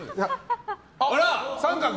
あら、△。